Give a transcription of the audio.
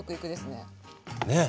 ねえ。